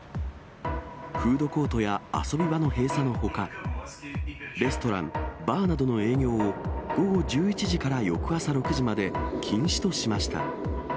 フードコートや遊び場の閉鎖のほか、レストラン、バーなどの営業を、午後１１時から翌朝６時まで禁止としました。